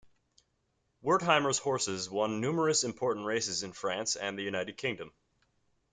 Wertheimer's horses won numerous important races in France and the United Kingdom.